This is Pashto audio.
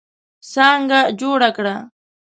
څانګه جوړه کړه.